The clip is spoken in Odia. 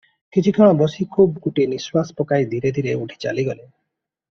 କିଛିକ୍ଷଣ ବସି ଖୁବ୍ ଗୋଟାଏ ନିଶ୍ୱାସ ପକାଇ ଧୀରେ ଧୀରେ ଉଠି ଚାଲିଗଲେ ।